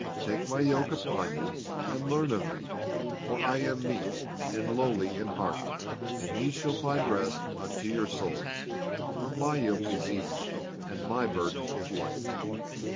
Take My yoke upon you, and learn of Me; for I am meek and lowly in heart, and ye shall find rest unto your souls; for My yoke is easy, and My burden is light."